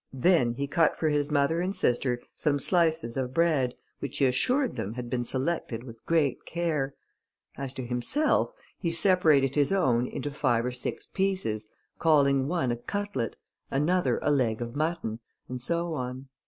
then he cut for his mother and sister some slices of bread, which he assured them had been selected with great care. As to himself, he separated his own into five or six pieces, calling one a cutlet, another a leg of mutton, and so on.